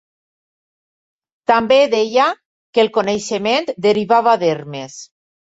També deia que el coneixement derivava d'Hermes.